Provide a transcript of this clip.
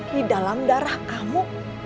di dalam darah kamu